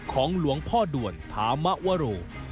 ของหลวงพ่อด่วนธรรมวโร